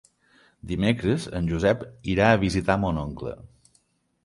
Dimecres en Josep irà a visitar mon oncle.